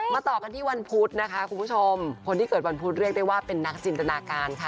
ต่อกันที่วันพุธนะคะคุณผู้ชมคนที่เกิดวันพุธเรียกได้ว่าเป็นนักจินตนาการค่ะ